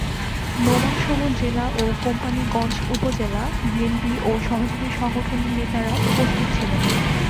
নোমানসহ জেলা ও কোম্পানীগঞ্জ উপজেলা বিএনপি ও সহযোগী সংগঠনের নেতারা উপস্থিত ছিলেন।